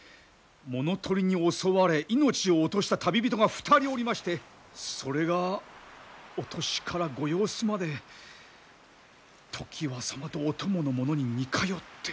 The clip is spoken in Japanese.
物取りに襲われ命を落とした旅人が２人おりましてそれがお年からご様子まで常磐様とお供の者に似通って。